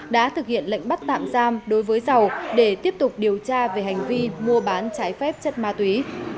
đã thực hiện lệnh bắt tạm giam đối với giàu để tiếp tục điều tra về hành vi mua bán trái phép chất ma túy